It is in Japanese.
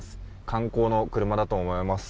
観光の車だと思います。